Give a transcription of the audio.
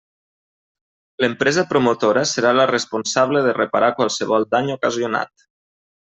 L'empresa promotora serà la responsable de reparar qualsevol dany ocasionat.